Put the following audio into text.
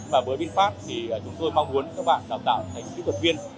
và với vinfast thì chúng tôi mong muốn các bạn đào tạo thành kỹ thuật viên